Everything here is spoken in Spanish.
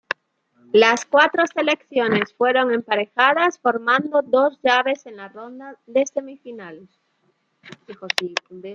Las cuatro selecciones fueron emparejadas, formando dos llaves en la ronda de semifinales.